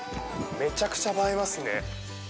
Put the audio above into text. めちゃくちゃ映えますね。